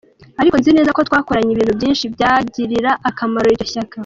Ariko nzi neza ko twakoranye ibintu byinshi byagirira akamaro iryo shyaka."